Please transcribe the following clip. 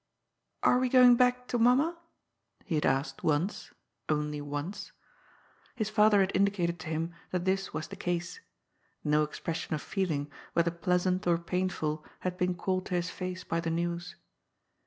" Are we going back to mamma? " he had asked once — only once. His father had indicated to him that this was the case. No expression of feeling, whether pleasant or painful, had been called to his face by the news.